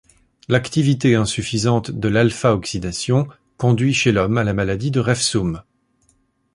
L'activité insuffisante de l'α-oxydation conduit chez l'homme à la maladie de Refsum.